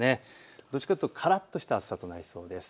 どっちかというとからっとした暑さになりそうです。